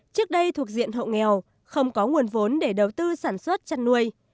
trước đây thuộc diện hộ nghèo không có nguồn vốn để đầu tư sản xuất chăn nuôi